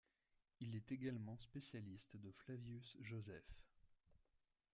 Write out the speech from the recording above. Il est également spécialiste de Flavius Josèphe.